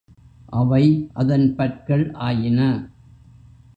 அவை அதன் பற்கள் ஆயின.